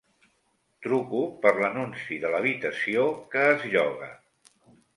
Truco per l'anunci de l'habitació que es lloga.